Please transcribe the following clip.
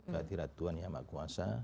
kehatirat tuhan yang maha kuasa